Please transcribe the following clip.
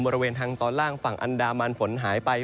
บริเวณทางตอนล่างฝั่งอันดามันฝนหายไป